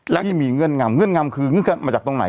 ที่มีเงื่อนงำเงื่อนงำคือเงื่อนมาจากตรงไหน